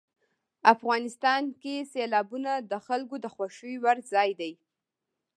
افغانستان کې سیلابونه د خلکو د خوښې وړ ځای دی.